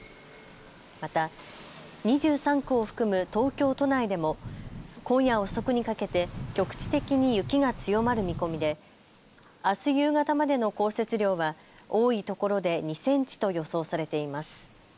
また２３区を含む東京都内でも今夜遅くにかけて局地的に雪が強まる見込みであす夕方までの降雪量は多いところで２センチと予想されています。